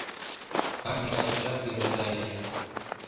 Кажне качыжат йӧрата ыле.